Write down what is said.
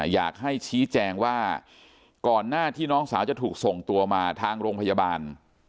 อยากให้ชี้แจงว่าก่อนหน้าที่น้องสาวจะถูกส่งตัวมาทางโรงพยาบาล